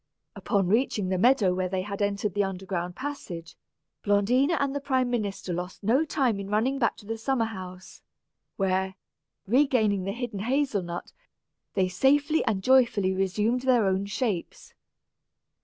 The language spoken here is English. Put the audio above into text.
Upon reaching the meadow where they had entered the underground passage, Blondina and the prime minister lost no time in running back to the summer house, where, regaining the hidden hazel nut, they safely and joyfully resumed their own true shapes.